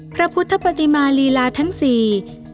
พระพุทธปฏิมาลีลาทั้งสี่